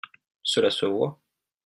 Cela se voit